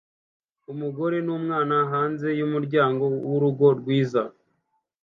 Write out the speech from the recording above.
Umugore numwana hanze yumuryango wurugo rwiza